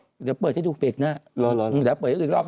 เดี๋ยวเปิดให้ดูเบรกหน้าเดี๋ยวเปิดให้อีกรอบ